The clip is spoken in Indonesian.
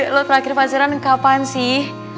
lo terakhir pacaran kapan sih